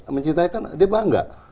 mencintai itu kan dia bangga